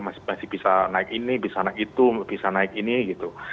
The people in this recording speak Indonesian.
masih bisa naik ini bisa naik itu bisa naik ini gitu